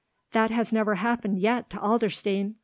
"That has never happened yet to Adlerstein!"